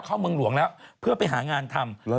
เมืองหลวงแล้วเพื่อไปหางานทำ